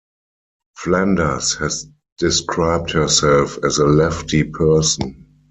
Flanders has described herself as a lefty person.